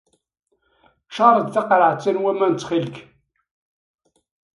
Ččar-d taqerɛet-a n waman ttxil-k.